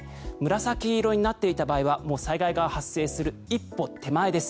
紫色になっていた場合はもう災害が発生する一歩手前です。